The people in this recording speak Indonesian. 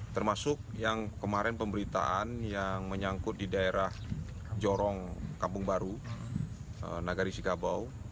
termasuk yang kemarin pemberitaan yang menyangkut di daerah jorong kampung baru nagari sikabau